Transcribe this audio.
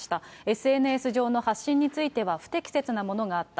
ＳＮＳ上の発信については不適切なものがあった。